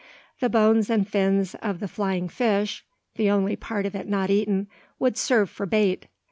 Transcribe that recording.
The bones and fins of the flying fish the only part of it not eaten would serve for bait.